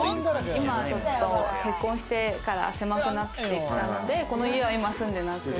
今ちょっと結婚してから狭くなってきたので、この家は今、住んでなくて。